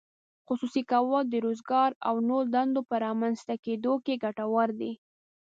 خصوصي کول د روزګار او نوو دندو په رامینځته کیدو کې ګټور دي.